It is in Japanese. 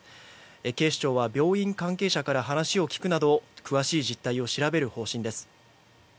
警視庁は病院関係者から話を聞くなど詳しい実態を調べる方針です。